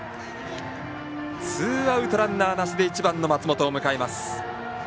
ツーアウトランナーなしで１番の松本です。